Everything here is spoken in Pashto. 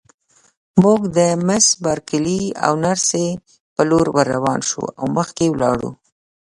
موږ د مس بارکلي او نرسې په لور ورروان شوو او مخکې ولاړو.